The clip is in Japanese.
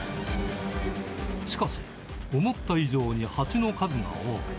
しかし、思った以上にハチの数が多い。